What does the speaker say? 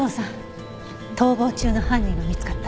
逃亡中の犯人が見つかった。